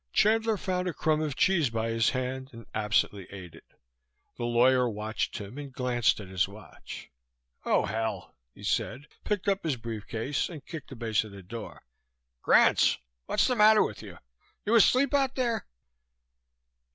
Chandler found a crumb of cheese by his hand and absently ate it. The lawyer watched him and glanced at his watch. "Oh, hell," he said, picked up his briefcase and kicked the base of the door. "Grantz! What's the matter with you? You asleep out there?"